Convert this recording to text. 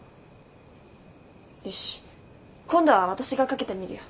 よし今度は私がかけてみるよ。